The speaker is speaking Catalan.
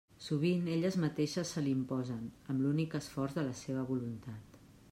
Sovint elles mateixes se l'imposen amb l'únic esforç de la seva voluntat.